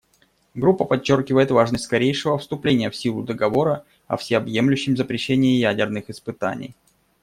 Группа подчеркивает важность скорейшего вступления в силу Договора о всеобъемлющем запрещении ядерных испытаний.